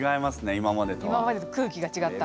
今までと空気がちがった。